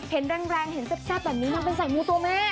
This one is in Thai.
เห็นแรงเห็นแซ่บแบบนี้นางเป็นสายมูตัวแม่